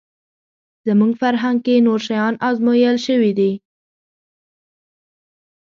زموږ فرهنګ کې نور شیان ازمویل شوي دي